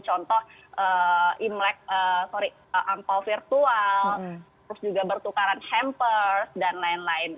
contoh imlek sorry angpao virtual terus juga bertukaran hampers dan lain lain